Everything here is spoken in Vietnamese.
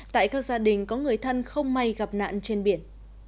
tại các gia đình có người thân không may gặp nạn trên biển